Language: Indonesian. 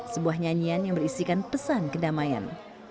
sebuah nyanyian yang berisikan pesan kedamaian